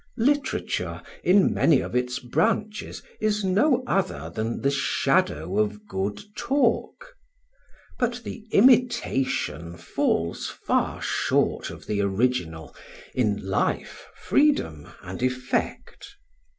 Literature in many of its branches is no other than the shadow of good talk; but the imitation falls far short of the original in life, freedom and effect.